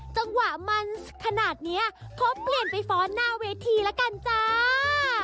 จังหวะมันขนาดเนี้ยขอเปลี่ยนไปฟ้อนหน้าเวทีแล้วกันจ้า